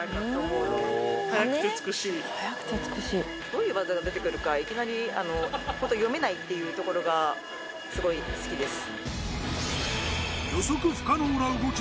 どういう技が出てくるかいきなり本当に読めないっていうところがすごい好きです。